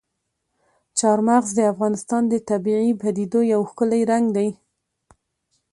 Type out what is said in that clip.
چار مغز د افغانستان د طبیعي پدیدو یو ښکلی رنګ دی.